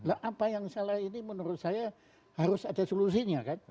nah apa yang salah ini menurut saya harus ada solusinya kan